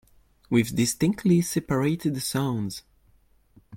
With distinctly separated sounds.